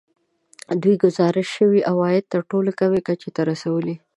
دوی ګزارش شوي عواید تر ټولو کمې کچې ته رسولي